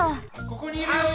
・ここにいるよ！